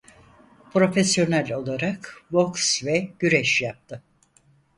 Profesyonel olarak boks ve güreş yaptı.